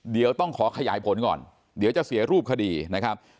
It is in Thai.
เดี๋ยวต้องขอขยายผลก่อนเดี๋ยวจะเสียรูปคดีนะครับ